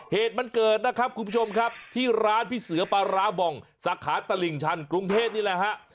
เหตุมันเกิดนะครับคุณผู้ชมครับที่ร้านพี่เสือปลาร้าบ่องสาขาตลิ่งชันกรุงเทพนี่แหละฮะ